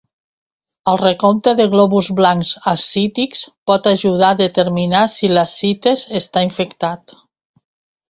El recompte de glòbuls blancs ascítics pot ajudar a determinar si l'ascites està infectat.